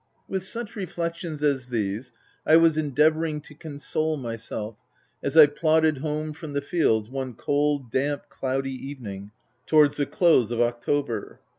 With such reflections as these, I was endea OF WILDFELL HALL. / vouring to console myself, as I plodded home from the fields, one cold, damp, cloudy evening towards the close of October.